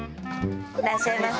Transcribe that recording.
いらっしゃいませ。